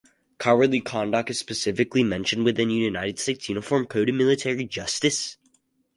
Cowardly conduct is specifically mentioned within the United States Uniform Code of Military Justice.